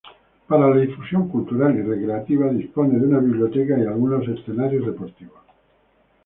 Para la difusión cultural y recreativa dispone de una biblioteca y algunos escenarios deportivos.